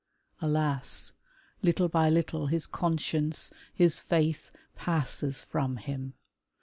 Alas ! little by little his conscience, his Faith passes from him.